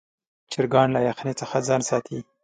چرګان له یخنۍ څخه ځان ساتي.